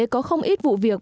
có không ít vụ việc